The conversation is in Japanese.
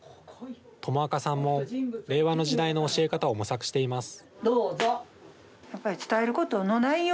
友和嘉さんも令和の時代の教え方を模索しています。